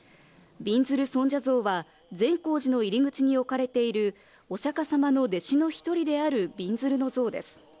びんずる尊者像は善光寺の入り口に置かれているお釈迦様の弟子の１人である、びんずるの像です。